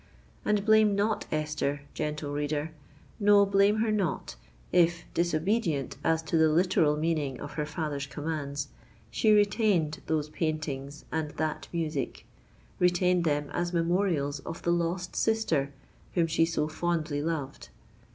And blame not Esther, gentle reader—no, blame her not, if, disobedient as to the literal meaning of her father's commands, she retained those paintings and that music,—retained them as memorials of the lost sister whom she so fondly loved!